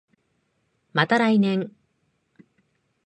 また来年